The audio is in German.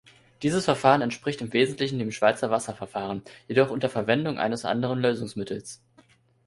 Dieses Verfahren entspricht im Wesentlichen dem Schweizer-Wasser-Verfahren, jedoch unter Verwendung eines anderen Lösungsmittels.